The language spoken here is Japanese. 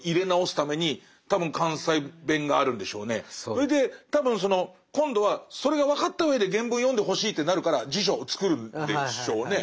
それで多分今度はそれが分かったうえで原文を読んでほしいってなるから辞書を作るんでしょうね。